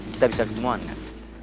kita bisa ketemuan kan